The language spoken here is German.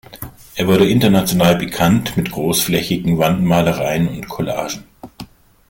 Er wurde international bekannt mit großflächigen Wandmalereien und Collagen.